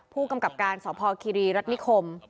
ผู้กำกับการสพคิรีรัฐนิคม